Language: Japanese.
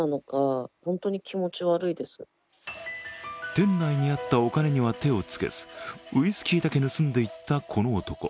店内にあったお金には手をつけずウイスキーだけ盗んでいったこの男。